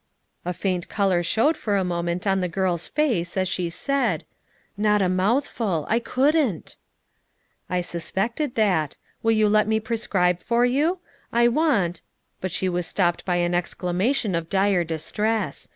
A faint color showed for a moment on the girl's face as she said: "Not a mouthful; I couldn't" "I suspected that. Will you let me prescribe for you? I want—" But she was stopped by an exclamation of dire distress.